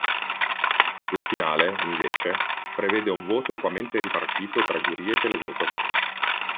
La finale, invece, prevede un voto equamente ripartito tra giurie e televoto.